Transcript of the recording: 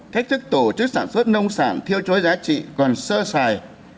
thách thức tổ chức sản xuất nông sản thiêu chối giá trị còn sơ sài